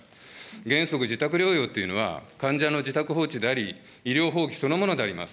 原則自宅療養というのは、患者の自宅放置であり、医療放棄そのものであります。